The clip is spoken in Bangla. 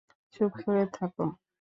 চুপ করে থাকো।